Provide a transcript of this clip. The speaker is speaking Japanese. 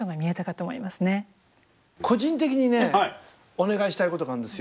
個人的にねお願いしたいことがあるんですよ